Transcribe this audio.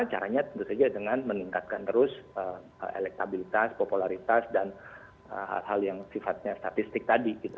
caranya tentu saja dengan meningkatkan terus elektabilitas popularitas dan hal hal yang sifatnya statistik tadi gitu